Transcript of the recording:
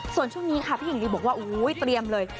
ส่วนช่วงนี้ค่ะพี่หญิงลีบอกว่าเตรียมเลย